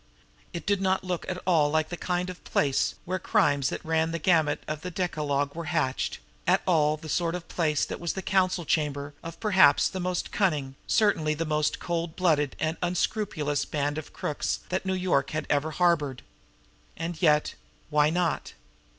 It did not look at all the kind of place where crimes that ran the gamut of the decalogue were hatched, at all the sort of place that was the council chamber of perhaps the most cunning, certainly the most cold blooded and unscrupulous, band of crooks that New York had ever harbored. And yet why not?